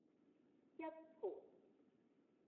一盤